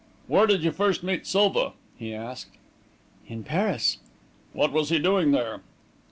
"Where did you first meet Silva?" he asked. "In Paris." "What was he doing there?"